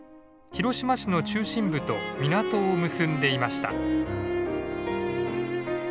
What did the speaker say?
広島市の中心部と港を結んでいました。